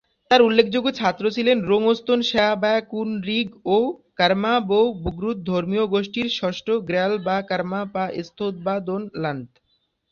তার উল্লেখযোগ্য ছাত্র ছিলেন রোং-স্তোন-শেস-ব্যা-কুন-রিগ ও কার্মা-ব্কা'-ব্র্গ্যুদ ধর্মীয় গোষ্ঠীর ষষ্ঠ র্গ্যাল-বা-কার্মা-পা ম্থোং-বা-দোন-ল্দান